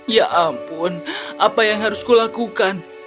ya ampun apa yang harus kulakukan